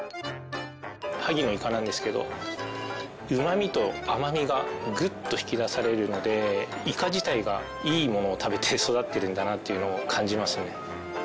萩のイカなんですけどうまみと甘みがグッと引き出されるのでイカ自体がいいものを食べて育ってるんだなっていうのを感じますね。